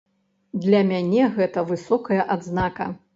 Для мяне гэта высокая адзнака.